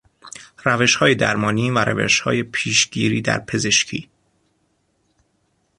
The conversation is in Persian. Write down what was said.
روشهای درمانی و روشهای پیشگیری در پزشکی